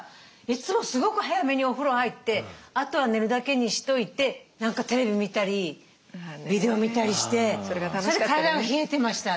いつもすごく早めにお風呂入ってあとは寝るだけにしといて何かテレビ見たりビデオ見たりしてそれで体が冷えてました